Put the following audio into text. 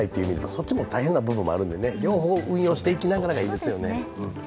そっちも大変な部分もあるので両方運用していきながらがいいですよね。